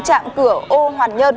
chạm cửa ô hoàn nhân